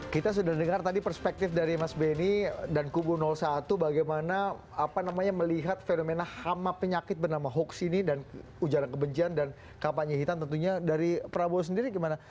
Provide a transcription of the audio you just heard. kita sudah dengar tadi perspektif dari mas benny dan kubu satu bagaimana melihat fenomena hama penyakit bernama hoax ini dan ujaran kebencian dan kampanye hitam tentunya dari prabowo sendiri gimana